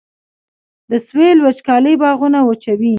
د سویل وچکالي باغونه وچوي